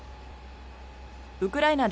ウクライナ